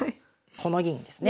この銀ですね。